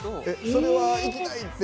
それは行きたいって